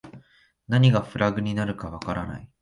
何がフラグになるかわからない